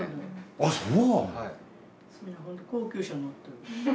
あぁそう！